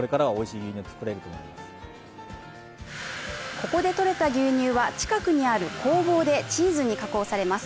ここでとれた牛乳は近くにある工房でチーズに加工されます。